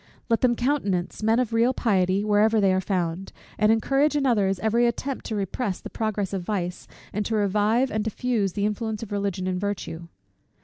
Let them countenance men of real piety wherever they are found; and encourage in others every attempt to repress the progress of vice, and to revive and diffuse the influence of Religion and virtue.